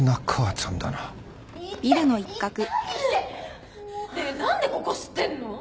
ねえ何でここ知ってんの？